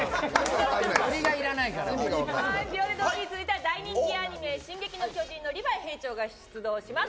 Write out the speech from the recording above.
続いては大人気アニメ「進撃の巨人」のリヴァイ兵長が出動します。